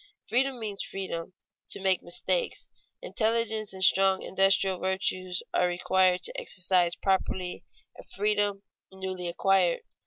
Freedom means freedom to make mistakes. Intelligence and strong industrial virtues are required to exercise properly a freedom newly acquired.